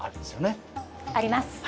あります。